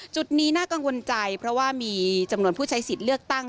จุดนี้น่ากังวลใจเพราะว่ามีจำนวนผู้ใช้สิทธิ์เลือกตั้ง